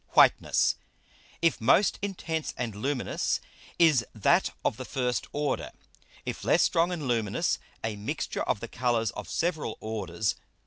Whiteness, if most intense and luminous, is that of the first Order, if less strong and luminous, a Mixture of the Colours of several Orders.